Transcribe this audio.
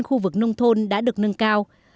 khu vực nông thôn đã được nâng cao